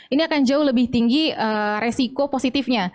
ini akan jauh lebih tinggi resiko positifnya